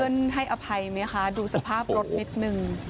เพื่อนให้อภัยไหมค่ะดูสภาพรถนิดนึง